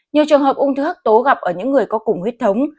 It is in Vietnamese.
nhiều trường hợp ung thư hấp tố gặp ở những người có cùng huyết thống